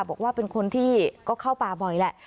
บอกว่าเป็นคนที่ก็เข้าป่าบ่อยแหละ